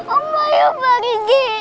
aku mau pergi